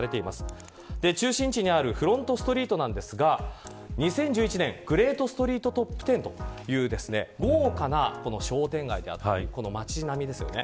中心地にあるフロント・ストリートですが２０１１年グレート・ストリート・トップ１０とという豪華な商店街だったり町並みですよね。